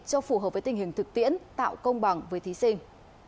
cho phù hợp với tình hình thực tiễn tạo công bằng với thí sinh